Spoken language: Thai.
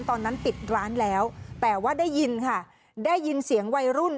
ตอนนั้นปิดร้านแล้วแต่ว่าได้ยินค่ะได้ยินเสียงวัยรุ่น